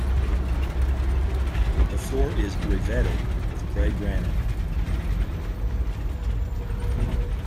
The floor is reveted with grey granite.